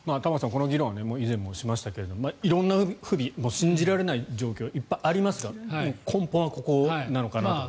この議論は以前もしましたが色んな不備、信じられない状況がいっぱいありますが根本はここなのかなと。